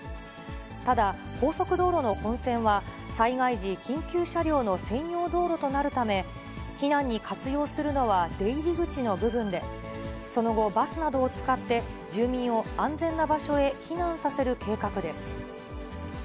ただ、高速道路の本線は、災害時、緊急車両の専用道路となるため、避難に活用するのは出入り口の部分で、その後、バスなどを使って、住民を安全な場所へ避難させる計画です。